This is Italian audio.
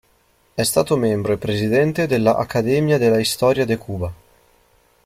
È stato membro e presidente della "Academia de la Historia de Cuba".